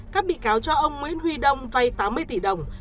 các bị cáo cho ông nguyễn huy đông vay tám mươi tỷ đồng